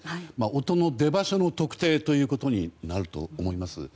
音の出場所の特定ということになると思います。